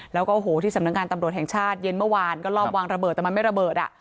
แล้วก็โอ้โหที่สำนักงานตำรวจแห่งชาติเย็นเมื่อวานก็รอบวางระเบิดแต่มันไม่ระเบิดอ่ะ